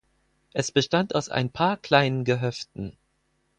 Es bestand aus ein paar kleinen Gehöften.